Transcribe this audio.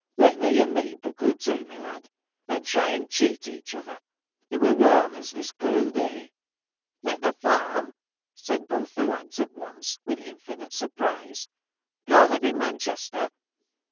Let thee and me buckle to, my lad ! and try and cheat each other ; it will warm us this cold day.' ' Let the farm !' said both the lads at once, HOUSEHOLD WORDS. [Conducted bv with infinite surprise. 'Go live in Man chester